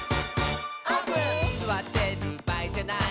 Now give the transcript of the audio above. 「すわってるばあいじゃない」